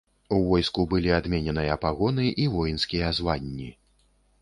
У войску былі адмененыя пагоны і воінскія званні.